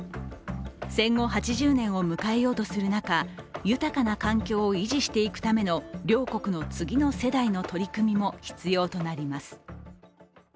戦後８０年を迎えようとする中豊かな環境を維持していくための両国の次の世代の取り組みも必要となります。